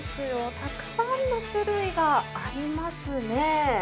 たくさんの種類がありますね。